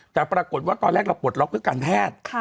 แต่ปรากฏว่าตอนแรกเราปลดล็อกเพื่อการแพทย์